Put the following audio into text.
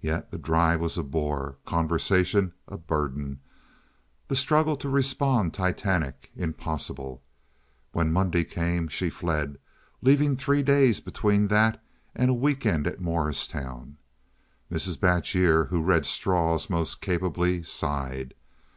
Yet the drive was a bore, conversation a burden, the struggle to respond titanic, impossible. When Monday came she fled, leaving three days between that and a week end at Morristown. Mrs. Batjer—who read straws most capably—sighed.